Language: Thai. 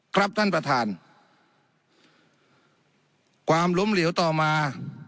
ครับท่านประธานความล้มเหลวต่อมา